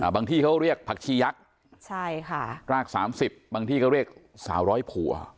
ที่เขาเรียกผักชียักษ์ราก๓๐บางที่เขาเรียก๓๐๐ผัว